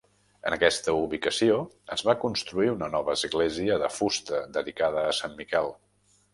En aquesta ubicació es va construir una nova església de fusta dedicada a Sant Miquel.